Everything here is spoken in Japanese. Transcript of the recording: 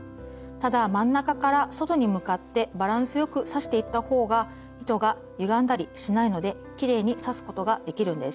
ただ真ん中から外に向かってバランスよく刺していったほうが糸がゆがんだりしないのできれいに刺すことができるんです。